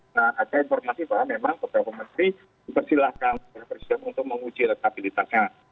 nah ada informasi bahwa memang kpu kpm dipersilahkan untuk menguji resabilitasnya